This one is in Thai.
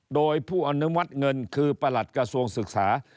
โดยผู้อนุมัติเงินคือประหลัดกระทรวงศึกษา